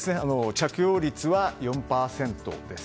着用率は４％です。